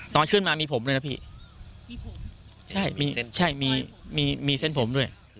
ตอนขึ้นมามีผมด้วยนะพี่มีผมใช่มีเส้นใช่มีมีเส้นผมด้วย